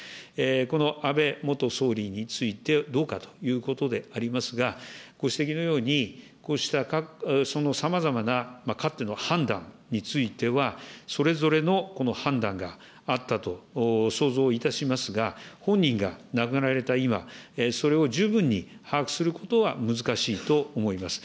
この安倍元総理について、どうかということでありますが、ご指摘のように、こうしたさまざまなかつての判断については、それぞれのこの判断があったと想像いたしますが、本人が亡くなられた今、それを十分に把握することは難しいと思います。